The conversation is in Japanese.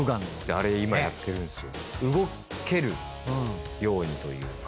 あれ今やってるんですよ。